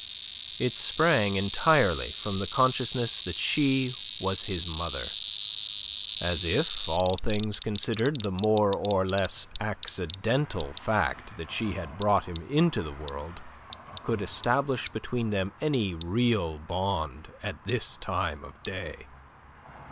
It sprang entirely from the consciousness that she was his mother; as if, all things considered, the more or less accidental fact that she had brought him into the world could establish between them any real bond at this time of day!